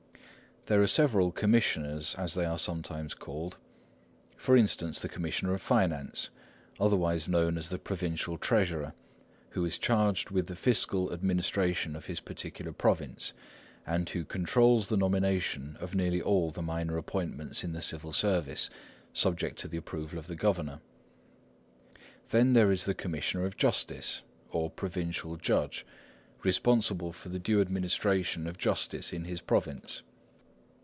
There are several "commissioners," as they are sometimes called; for instance, the commissioner of finance, otherwise known as the provincial treasurer, who is charged with the fiscal administration of his particular province, and who controls the nomination of nearly all the minor appointments in the civil service, subject to the approval of the governor. Then there is the commissioner of justice, or provincial judge, responsible for the due administration of justice in his province.